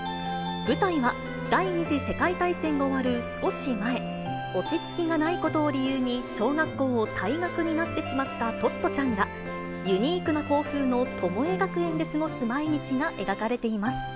舞台は第２次世界大戦が終わる少し前、落ち着きがないことを理由に小学校を退学になってしまったトットちゃんが、ユニークな校風のトモエ学園で過ごす毎日が描かれています。